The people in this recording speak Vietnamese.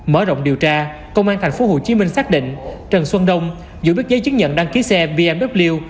mở rộng điều tra công an tp hcm xác định trần xuân đông dù biết giấy chứng nhận đăng ký xe bmw